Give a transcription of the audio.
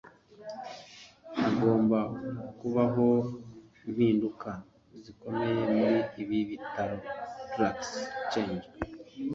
hagomba kubaho impinduka zikomeye muri ibi bitaro (drastic change)